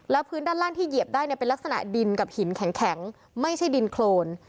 แล้วพื้นด้านล่างที่เหยียบได้เนี่ยเป็นลักษณะดินกับหินแข็งไม่ใช่ดินโครน